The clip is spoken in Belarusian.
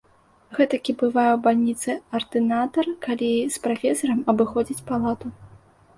Гэтакі бывае ў бальніцы ардынатар, калі з прафесарам абыходзяць палату.